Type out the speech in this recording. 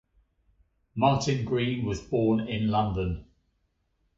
Martyn Green was born in London.